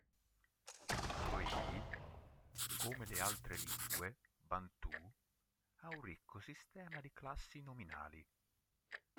Il swahili, come le altre lingue bantu, ha un ricco sistema di classi nominali.